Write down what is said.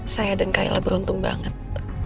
saya dan kaila beruntung banget